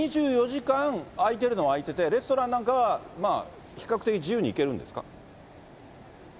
２４時間開いてるのは開いて、レストランなんかは比較的自由に行けるんですか。